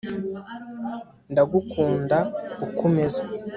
ndagukunda uko umeze